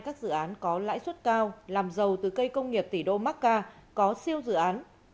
các dự án có lãi suất cao làm giàu từ cây công nghiệp tỷ đô macca có siêu dự án